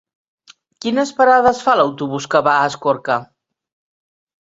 Quines parades fa l'autobús que va a Escorca?